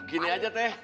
gini aja teh